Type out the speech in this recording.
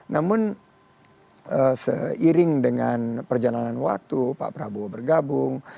namun seiring dengan perjalanan waktu pak prabowo bergabung